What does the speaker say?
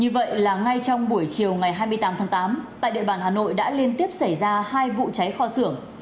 và ngay trong buổi chiều ngày hai mươi tám tháng tám tại địa bàn hà nội đã liên tiếp xảy ra hai vụ cháy kho sưởng